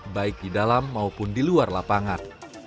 baik di dalam maupun di luar lapangan